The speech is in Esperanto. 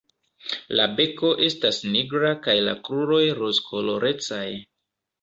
La beko estas nigra kaj la kruroj rozkolorecaj.